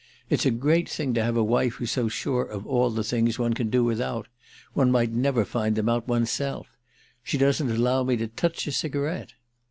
It's a great thing to have a wife who's so sure of all the things one can do without. One might never find them out one's self. She doesn't allow me to touch a cigarette."